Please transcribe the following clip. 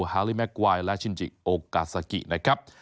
ฮาลีแม่กวายและชินจิโอกาซากินะครับ